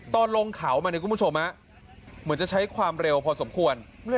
ตอนลงเขามาเนี่ยคุณผู้ชมเหมือนจะใช้ความเร็วพอสมควร